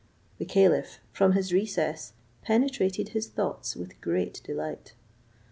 The caliph, from his recess, penetrated his thoughts with great delight.